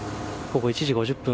午後１時５０分。